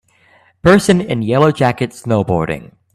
Person in yellow jacket snowboarding